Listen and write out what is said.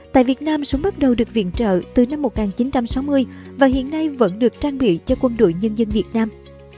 tại việt nam súng bắt đầu được viện trợ từ năm một nghìn chín trăm sáu mươi và hiện nay vẫn được trang bị cho quân đội nhân dân việt nam